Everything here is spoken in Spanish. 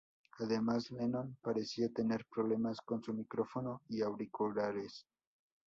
Además, Lennon parecía tener problemas con su micrófono y auriculares.